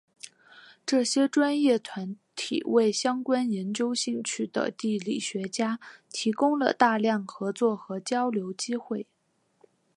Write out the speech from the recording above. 这些专业团体为相关研究兴趣的地理学家提供了大量合作和交流机会。